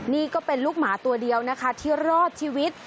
นี่ก็เป็นลูกหมาตัวเดียวนะคะที่รอดชีวิต